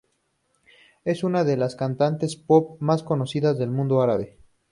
Es una de las cantantes pop más conocidas del mundo árabe.